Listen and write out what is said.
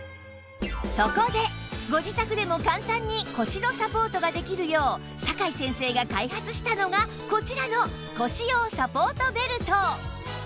そこでご自宅でも簡単に腰のサポートができるよう酒井先生が開発したのがこちらの腰用サポートベルト